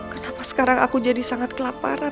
kenapa sekarang aku jadi sangat kelaparan